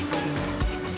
skall mulai umur gue